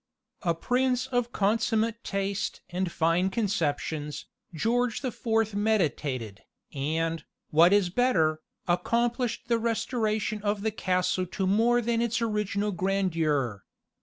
A prince of consummate taste and fine conceptions, George the Fourth meditated, and, what is better, accomplished the restoration of the castle to more than its original grandeur.